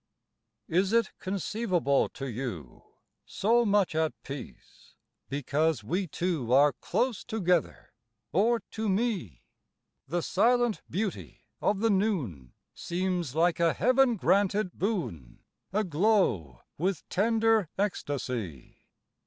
Is it conceivable to you— So much at peace—because we two Are close together, or to me? The silent beauty of the noon Seems like a Heaven granted boon, Aglow with tender ecstasy.